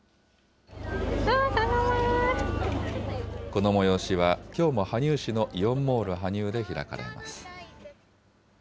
この催しは、きょうも羽生市のイオンモール羽生で開かれます。